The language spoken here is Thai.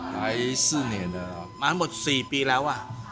มาทั้งหมดสี่ปีแล้ว